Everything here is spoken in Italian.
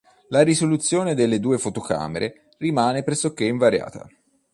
La risoluzione delle due fotocamere rimane pressoché invariata.